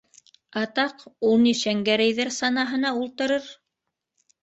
Атаҡ, ул ни Шәңгәрәйҙәр санаһына ултырыр!